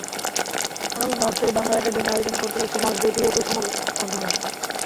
আগামী মাস থেকে বাংলা একাডেমি আয়োজন করতে যাচ্ছে মাসব্যাপী অমর একুশে গ্রন্থমেলা।